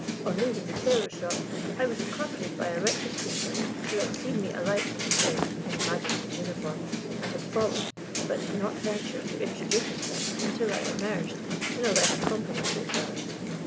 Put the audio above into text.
"On leaving the tailor's shop I was accosted by a wretched creature who had seen me alight from the chaise in His Majesty's uniform, and had followed, but did not venture to introduce himself until I emerged in a less compromising garb.